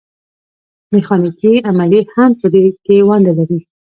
میخانیکي عملیې هم په دې کې ونډه لري.